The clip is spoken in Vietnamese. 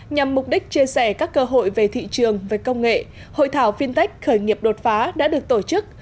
nhằm mục đích chia sẻ các cơ hội về thị trường về công nghệ hội thảo fintech khởi nghiệp đột phá đã được tổ chức